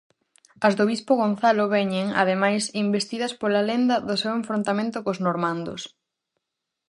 As do Bispo Gonzalo veñen, ademais, investidas pola lenda do seu enfrontamento cos normandos.